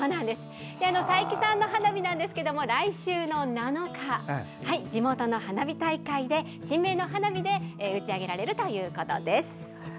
齊木さんの花火ですが来週の７日地元の花火大会、神明の花火で打ち上げられるということです。